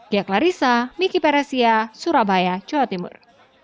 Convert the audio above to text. ghea klarissa miki peresia surabaya jawa timur